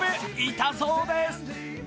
痛そうです。